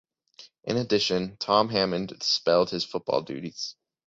In addition, Tom Hammond spelled his football duties.